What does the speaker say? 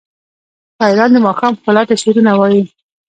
شاعران د ماښام ښکلا ته شعرونه وايي.